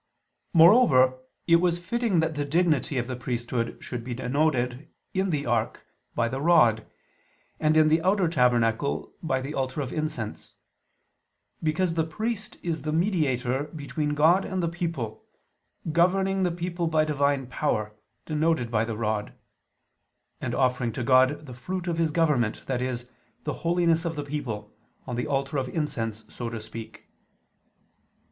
Moreover it was fitting that the dignity of the priesthood should be denoted, in the ark, by the rod, and, in the outer tabernacle, by the altar of incense: because the priest is the mediator between God and the people, governing the people by Divine power, denoted by the rod; and offering to God the fruit of His government, i.e. the holiness of the people, on the altar of incense, so to speak.